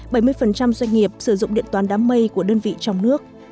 bảy mươi doanh nghiệp sử dụng điện toán đám mây của đơn vị trong nước